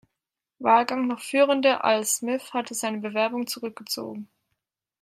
Wahlgang noch führende Al Smith hatte seine Bewerbung zurückgezogen.